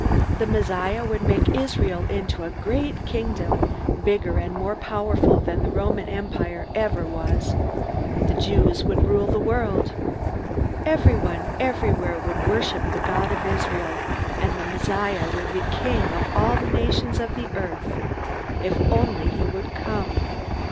The Messiah would make Israel into a great kingdom, bigger and more powerful than the Roman Empire ever was. The Jews would rule the world. Everyone, everywhere, would worship the God of Israel, and the Messiah would be King of all the nations of the earth. If only he would come!